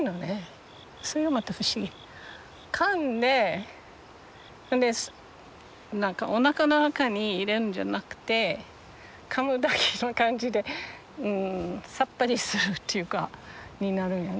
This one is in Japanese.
かんでおなかの中に入れるんじゃなくてかむだけの感じでさっぱりするっていうかになるんやね。